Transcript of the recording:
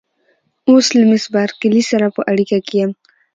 اوس له مېس بارکلي سره په اړیکه کې یم.